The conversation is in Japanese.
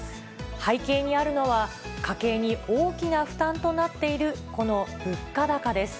背景にあるのは、家計に大きな負担となっている、この物価高です。